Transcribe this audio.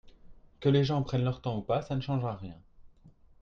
Que les gens prennent leur temps ou pas ça ne changera rien.